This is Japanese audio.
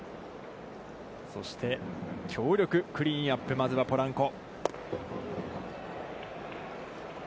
そして強力クリーンナップ、まずはポランコ。